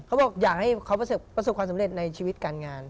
เขาบอกอยากให้เขาประสบความสำเร็จในชีวิตการงาน